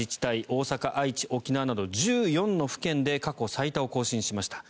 大阪、愛知、沖縄など１４の府県で過去最多を更新しました。